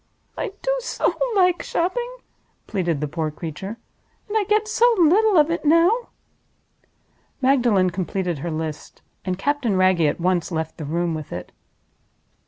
"I do so like shopping," pleaded the poor creature; "and I get so little of it now!" Magdalen completed her list; and Captain Wragge at once left the room with it.